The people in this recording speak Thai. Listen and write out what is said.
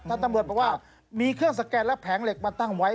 ตำรวจบอกว่ามีเครื่องสแกนและแผงเหล็กมาตั้งไว้